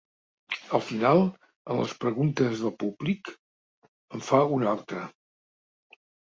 Al final, en les preguntes del públic, en fa una altra.